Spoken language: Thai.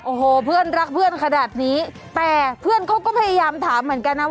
โอ้โหเพื่อนรักเพื่อนขนาดนี้แต่เพื่อนเขาก็พยายามถามเหมือนกันนะว่า